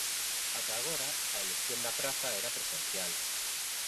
Ata agora, a elección da praza era presencial.